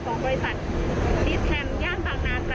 ของบริษัทนิดแคมป์ย่านบางนาตราดค่ะ